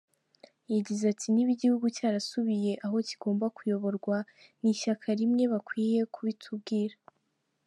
Yagize ati “Niba igihugu cyarasubiye aho kigomba kuyoborwa n’ishyaka rimwe, bakwiye kubitubwira.